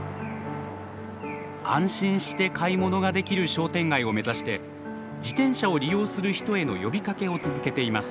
安心して買い物ができる商店街を目指して自転車を利用する人への呼びかけを続けています。